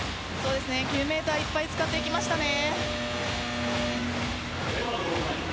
９ｍいっぱい使ってきましたね。